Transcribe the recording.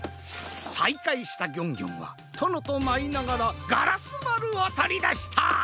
さいかいしたギョンギョンはとのとまいながらガラスまるをとりだした！